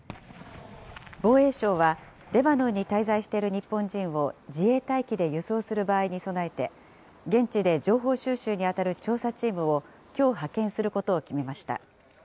防衛省は、レバノンに滞在している日本人を自衛隊機で輸送する場合に備えて、現地で情報収集に当たる調査チームをきょう派遣することを決めました。